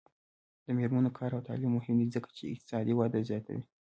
د میرمنو کار او تعلیم مهم دی ځکه چې اقتصادي وده زیاتوي.